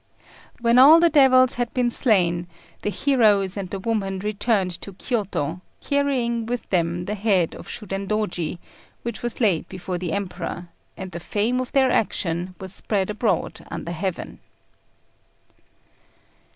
When all the devils had been slain, the heroes and the woman returned to Kiôto carrying with them the head of Shudendôji, which was laid before the Emperor; and the fame of their action was spread abroad under heaven.